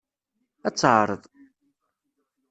Ad teɛreḍ.